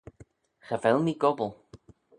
Cha vel mee gobbal.